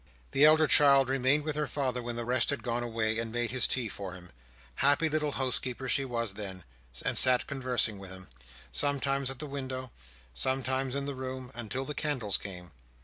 The elder child remained with her father when the rest had gone away, and made his tea for him—happy little house keeper she was then!—and sat conversing with him, sometimes at the window, sometimes in the room, until the candles came.